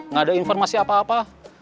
nggak ada informasi apa apa